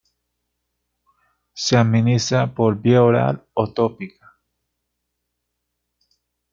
Se administra por vía oral o tópica.